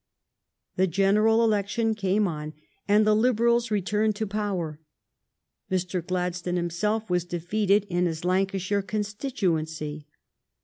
The general election came on, and the Liberals returned to power. Mr. Gladstone himself was defeated in his Lancashire constituency.